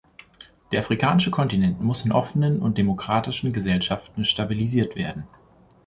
Der afrikanische Kontinent muss in offenen und demokratischen Gesellschaften stabilisiert werden.